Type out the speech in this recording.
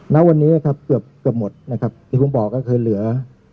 นาวุ่นนี้นะครับเกือบเกือบหมดนะครับที่พูดบอกก็เคยเหลือ